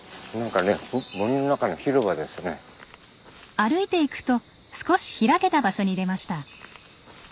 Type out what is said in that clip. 歩いて行くと少し開けた場所に出ました。